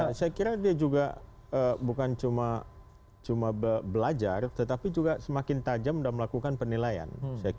ya saya kira dia juga bukan cuma belajar tetapi juga semakin tajam dan melakukan penilaian